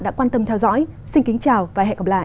đã quan tâm theo dõi xin kính chào và hẹn gặp lại